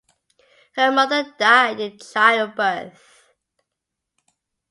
Her mother died in childbirth.